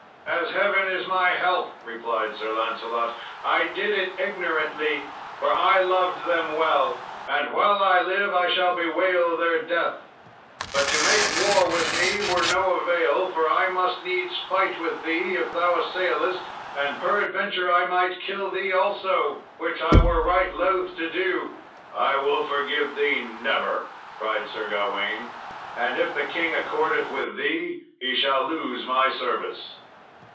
"As heaven is my help," replied Sir Lancelot, "I did it ignorantly, for I loved them well, and while I live I shall bewail their death; but to make war with me were no avail, for I must needs fight with thee if thou assailest, and peradventure I might kill thee also, which I were right loth to do." "I will forgive thee never," cried Sir Gawain, "and if the king accordeth with thee he shall lose my service."